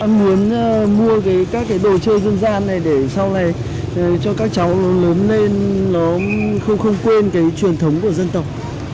em muốn mua cái đồ chơi dân gian này để sau này cho các cháu lớn lên nó không quên cái truyền thống của dân tộc